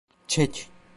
Çek!